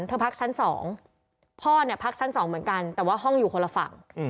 พักชั้น๒พ่อเนี่ยพักชั้น๒เหมือนกันแต่ว่าห้องอยู่คนละฝั่ง